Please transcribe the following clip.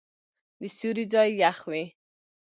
د سیوري ځای یخ وي.